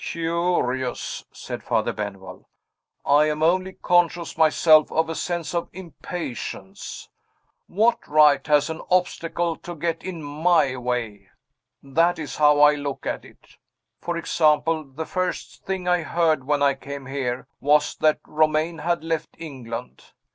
"Curious," said Father Benwell. "I am only conscious, myself, of a sense of impatience. What right has an obstacle to get in my way? that is how I look at it. For example, the first thing I heard, when I came here, was that Romayne had left England.